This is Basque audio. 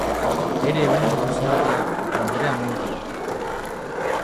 Bere egungo zuzendaria Andrea Monti da.